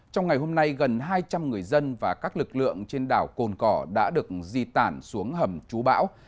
trong ngày hôm nay gần hai trăm linh người dân và các lực lượng trên đảo cồn cỏ đã được di tản xuống hầm trú bão